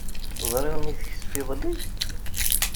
Teẓriḍ mi teksef iḍelli?